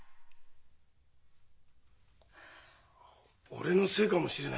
俺のせいかもしれない。